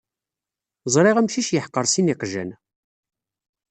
Ẓriɣ amcic yeḥqer sin n yiqjan.